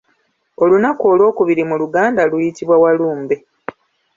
Olunaku olw'okubiri mu luganda luyitibwa Walumbe.